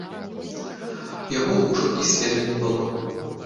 Яго ўжо і следу не было.